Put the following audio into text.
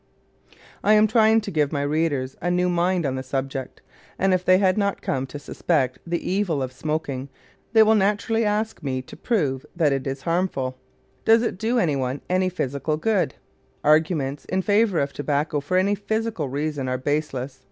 I am trying to give my readers a new mind on the subject, and if they have not come to suspect the evil of smoking, they will naturally ask me to prove that it is harmful. Let us begin at the bottom. Does it do any one any physical good? Arguments in favor of tobacco for any physical reason are baseless.